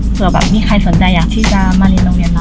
เผื่อแบบมีใครสนใจอยากที่จะมาเรียนโรงเรียนเรา